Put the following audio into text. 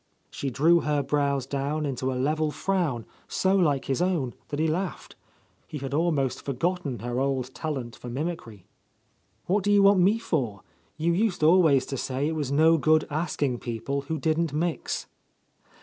She drew her brows down into a level frown so like his own that he laughed. He had almost forgotten her old talent for mimicry. "What do you want me for? You used always to say it was no good asking people who didn't mix.